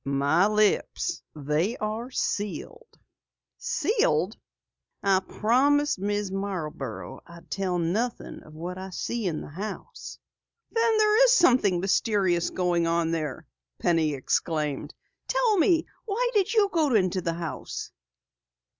"My lips, they are sealed." "Sealed?" "I promise Mrs. Marborough I tell nothing of what I see in the house." "Then there is something mysterious going on there!" Penny exclaimed. "Tell me, why did you go to the house?"